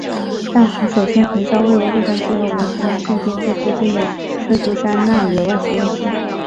大火首先焚烧位于洛杉矶和文图拉县边界附近的圣苏珊娜野外实验室。